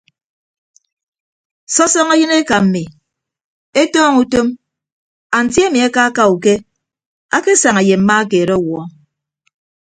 Sọsọñọ yịn eka mmi etọñọ utom anti ami akaaka uke akesaña ye mma keed ọwuọ.